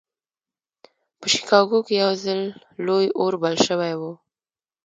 په شيکاګو کې يو ځل لوی اور بل شوی و.